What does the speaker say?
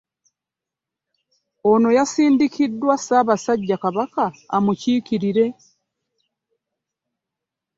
Ono yasindikiddwa ssaabasajja Kabaka amukiikirire